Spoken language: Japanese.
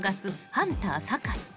ハンター酒井］